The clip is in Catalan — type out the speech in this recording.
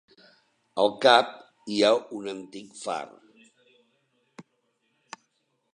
Al cap hi ha un antic far.